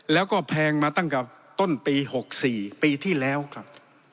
แล้วก็แพงมาตั้งแต่ต้นปี๖๔ปีที่แล้วครับ